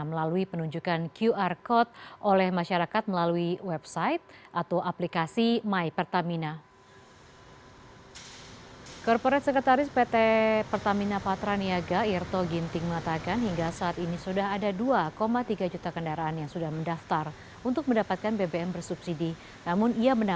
melalui penunjukan qr code oleh masyarakat melalui website atau aplikasi mypertamina